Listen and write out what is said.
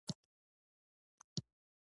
پلاستيکي صنعت یو لوی صنعت دی.